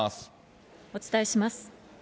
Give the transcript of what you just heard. お伝えします。